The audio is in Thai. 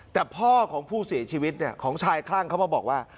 แต่พ่อของผู้เสียชีวิตของชายคลั่งเขามาบอกว่า